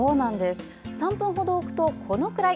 ３分ほど置くとこのくらい。